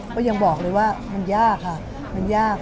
ก็ยังบอกเลยว่ามันยากค่ะมันยาก